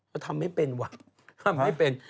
ทำไม่เป็นว่ะทำไม่เป็น